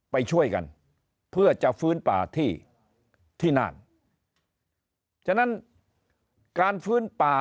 ไปช่วยกันเพื่อจะฟื้นป่าที่ที่น่านฉะนั้นการฟื้นป่า